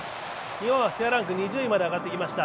日本はＦＩＦＡランク２０位まで上がってきました。